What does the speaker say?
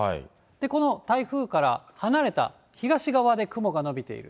この台風から離れた東側で雲が伸びている。